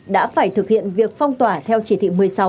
đã phải thực hiện việc phong tỏa theo chỉ thị một mươi sáu